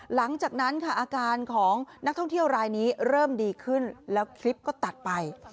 หลังจากนั้นค่ะอาการของนักท่องเที่ยวรายนี้เริ่มดีขึ้นแล้วคลิปก็ตัดไป